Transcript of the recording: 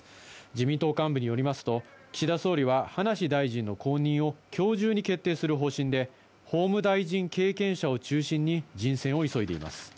自民党幹部によりますと、岸田総理は、葉梨大臣の後任をきょう中に決定する方針で、法務大臣経験者を中心に人選を急いでいます。